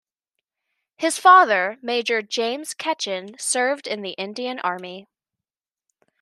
His father, Major James Ketchen, served in the Indian Army.